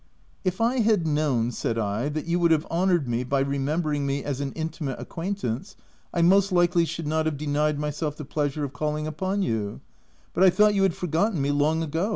" If I had known/' said I, "that you would have honoured me by remembering me as an intimate acquaintance, I most likely should not have denied myself the pleasure of calling up on you, but I thought you had forgotten me long ago."